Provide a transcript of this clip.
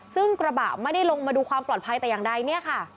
ซึ่งกระบะไม่ได้ลงมาดูความปลอดภัยแต่อย่างใดเนี่ยค่ะ